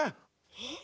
えっ？